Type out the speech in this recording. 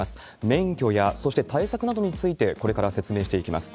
免許や、そして対策などについて、これから説明していきます。